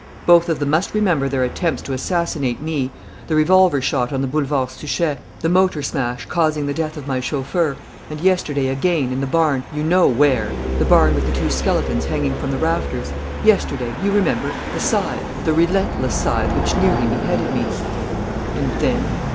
Both of them must remember their attempts to assassinate me: the revolver shot on the Boulevard Suchet; the motor smash causing the death of my chauffeur; and yesterday again, in the barn you know where the barn with the two skeletons hanging from the rafters: yesterday you remember the scythe, the relentless scythe, which nearly beheaded me." "And then?"